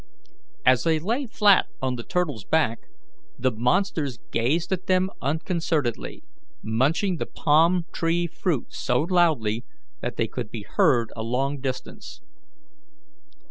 As they lay flat on the turtle's back, the monsters gazed at them unconcernedly, munching the palm tree fruit so loudly that they could be heard a long distance.